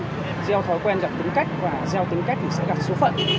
gieo thói quen là tính cách và gieo tính cách thì sẽ gặp số phận